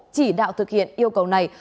chỉ đạo thực hiện yêu cầu này